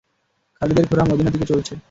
খালিদের ঘোড়া মদীনার দিকে চলছে।